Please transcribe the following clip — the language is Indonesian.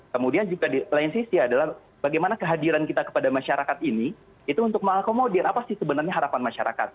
kemudian juga di lain sisi adalah bagaimana kehadiran kita kepada masyarakat ini itu untuk mengakomodir apa sih sebenarnya harapan masyarakat